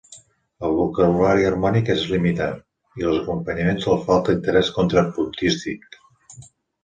El vocabulari harmònic és limitat, i als acompanyaments els falta interès contrapuntístic.